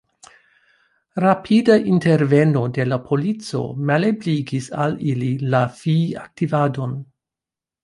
Rapida interveno de la polico malebligis al ili la fiaktivadon.